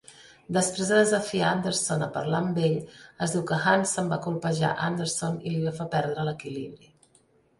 Després de desafiar Anderson a parlar amb ell, es diu que Hansen va colpejar Anderson i li va fer perdre l'equilibri.